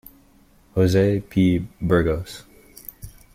Jose P. Burgos.